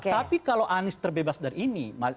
tapi kalau anies terbebas dari ini